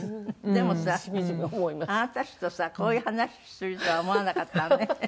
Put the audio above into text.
でもさあなたたちとさこういう話するとは思わなかったわね。